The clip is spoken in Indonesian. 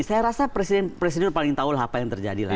saya rasa presiden paling tahu apa yang terjadi